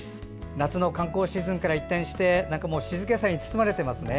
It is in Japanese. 夏の観光シーズンから一転して静けさに包まれていますね。